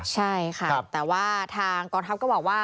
ใช่ค่ะแต่ว่าทางกองทัพก็บอกว่า